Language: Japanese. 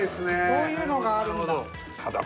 そういうのがあるんだ。